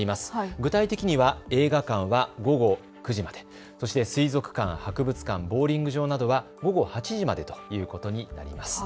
具体的には映画館は午後９時まで、そして水族館、博物館、ボウリング場などは午後８時までということになります。